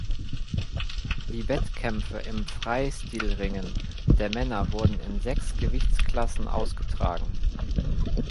Die Wettkämpfe im Freistilringen der Männer wurden in sechs Gewichtsklassen ausgetragen.